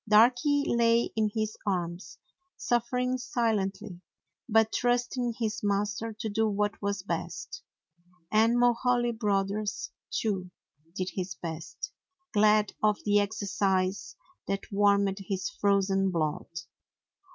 Darky lay in his arms, suffering si lently, but trusting his master to do what was best. And Mulhaly Brothers too did his best, glad of the exercise that warmed his frozen blood.